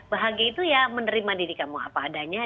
bahagia itu ya menerima diri kamu apa adanya